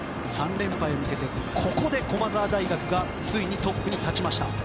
３連覇へ向けてここで駒澤がついにトップに立ちました。